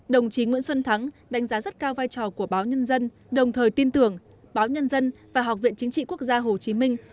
đồng chí nguyễn xuân thắng đánh giá rất cao vai trò của báo nhân dân đồng thời tin tưởng báo nhân dân và học viện chính trị quốc gia hồ chí minh